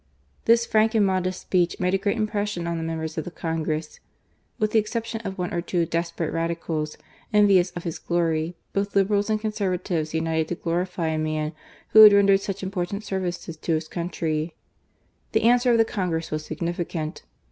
"^^:*' This frank aiid itoo^st speech made a g^^isit impression on the members of tl^ Co&gtesk ■ W^ the exception of one or twd desperate Radicdls^ envious of his glory, both Liberals and Conservative^ united to glorify a man who had rendered stpdb ithportant services to his cburitry; The* answ^lr^ <X the Congress was sigtiificant.